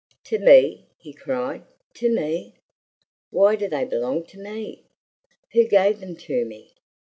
"To me!" he cried; "to me? Why do they belong to me? Who gave them to me?"